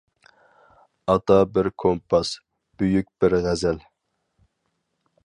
ئاتا بىر كومپاس، بۈيۈك بىر غەزەل.